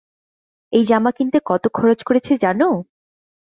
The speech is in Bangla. এই জামা কিনতে কতো খরচ করেছি জানো?